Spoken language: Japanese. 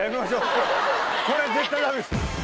これ絶対ダメです。